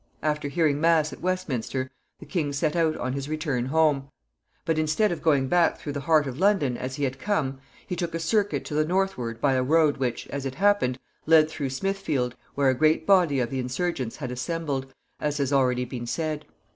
After hearing mass at Westminster, the king set out on his return home; but, instead of going back through the heart of London, as he had come, he took a circuit to the northward by a road which, as it happened, led through Smithfield, where a great body of the insurgents had assembled, as has already been said.